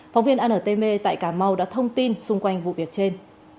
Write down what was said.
phóng viên antv tại cà mau đã thông tin xung quanh vụ việc trên